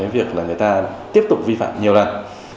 việc người ta tiếp tục vi phạm nhiều lần